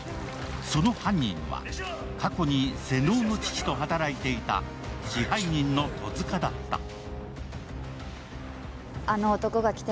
その犯人は、過去に瀬能の父と働いていた支配人の戸塚だった。